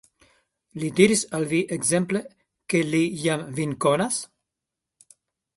Li diris al vi ekzemple, ke li jam vin konas?